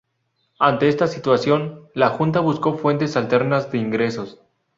Ante esta situación la Junta buscó fuentes alternas de ingresos.